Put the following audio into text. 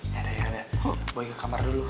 yaudah yaudah boy ke kamar dulu